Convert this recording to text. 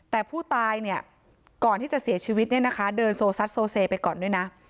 แต่ผู้ตายเนี่ยก่อนที่จะเสียชีวิตเนี่ยนะคะเดินโซซัดโซเซไปก่อนด้วยนะ